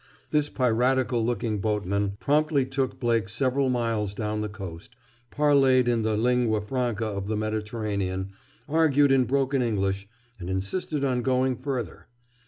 This piratical looking boatman promptly took Blake several miles down the coast, parleyed in the lingua Franca of the Mediterranean, argued in broken English, and insisted on going further.